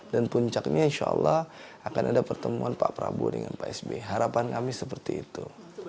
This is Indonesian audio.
dan puncaknya insya allah akan ada pertemuan pak prabowo dengan pak sby harapan kami seperti itu